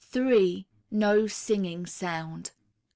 No singing sound.